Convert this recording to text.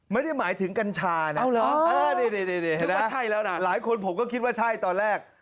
ไม่ได้หมายถึงกัญชานะหลายคนผมก็คิดว่าใช่ตอนแรก